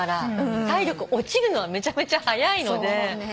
体力落ちるのはめちゃめちゃ早いので。